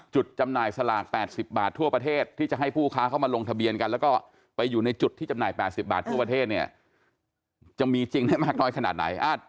จำหน่ายสลาก๘๐บาททั่วประเทศที่จะให้ผู้ค้าเข้ามาลงทะเบียนกันแล้วก็ไปอยู่ในจุดที่จำหน่าย๘๐บาททั่วประเทศเนี่ยจะมีจริงได้มากน้อยขนาดไหน